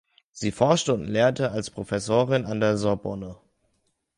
Sie forschte und lehrte als Professorin an der Sorbonne.